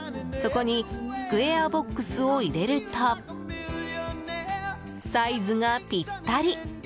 そこにスクエアボックスを入れるとサイズがぴったり！